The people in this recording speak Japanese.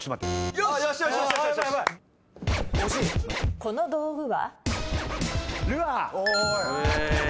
この道具は？